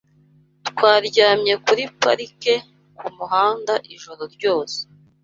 Twaryamye kuri parike kumuhanda ijoro ryose.